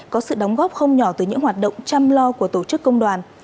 có sự đóng góp không nhỏ từ những hoạt động chăm lo của doanh nghiệp